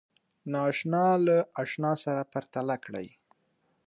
ناآشنا له آشنا سره پرتله کړئ